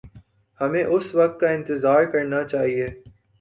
ہمیں اس وقت کا انتظار کرنا چاہیے۔